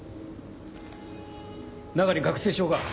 中に学生証が。